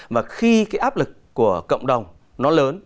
mà khi cái áp lực của cộng đồng nó lớn